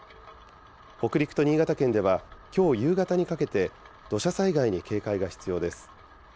北陸と新潟県では、きょう夕方にかけて、土砂災害に警戒が必要です。